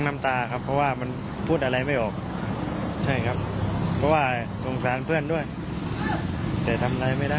ไม่ต้องมันหวายตามนี้นะ